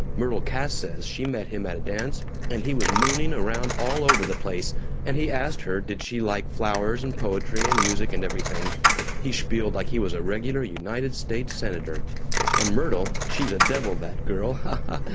Myrtle Cass says she met him at a dance, and he was mooning around all over the place, and he asked her did she like flowers and poetry and music and everything; he spieled like he was a regular United States Senator; and Myrtle she's a devil, that girl, ha! ha!